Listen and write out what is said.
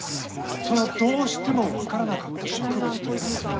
そのどうしても分からなかった植物というのは？